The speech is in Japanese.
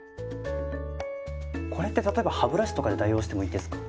これって例えば歯ブラシとかで代用してもいいですか。